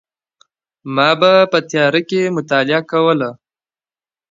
ما به په تیاره کي مطالعه کوله.